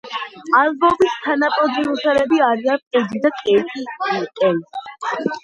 ალბომის თანაპროდიუსერები არიან პედი და კეიტი კელი.